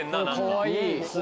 かわいい。